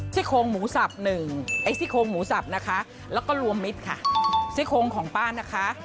ซี่โครงหมูสับหนึ่งไอ้ซี่โครงหมูสับนะคะแล้วก็รวมมิตรค่ะซี่โครงของป้านะคะ